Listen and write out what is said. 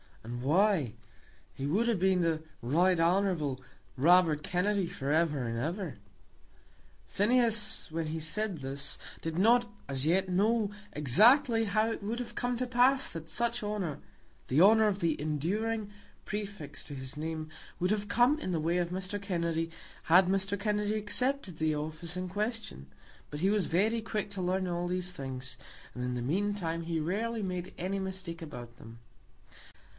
"And why? He would have been the Right Hon. Robert Kennedy for ever and ever." Phineas when he said this did not as yet know exactly how it would have come to pass that such honour, the honour of the enduring prefix to his name, would have come in the way of Mr. Kennedy had Mr. Kennedy accepted the office in question; but he was very quick to learn all these things, and, in the meantime, he rarely made any mistake about them.